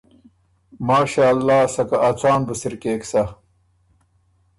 ماشأالله سَکه ا څان بُو سِرکېک سَۀ